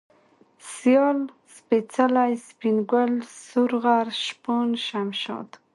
سيال ، سپېڅلى ، سپين گل ، سورغر ، شپون ، شمشاد